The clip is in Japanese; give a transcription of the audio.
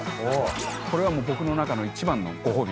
これはもう僕の中の一番のご褒美。